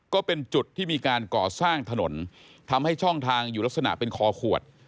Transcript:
ก็เป็นจุดที่มีการก่อสร้างถนนทำให้ช่องทางอยู่ลักษณะเป็นคอขวด